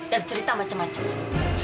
dan cerita macam macam